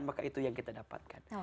maka itu yang kita dapatkan